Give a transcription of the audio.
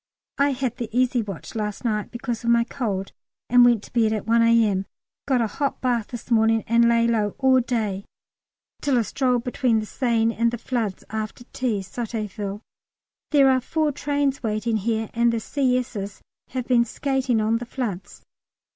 I had the easy watch last night because of my cold, and went to bed at 1 A.M.; got a hot bath this morning, and lay low all day till a stroll between the Seine and the floods after tea (Sotteville). There are four trains waiting here, and the C.S.'s have been skating on the floods.